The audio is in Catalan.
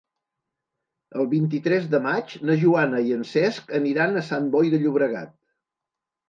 El vint-i-tres de maig na Joana i en Cesc aniran a Sant Boi de Llobregat.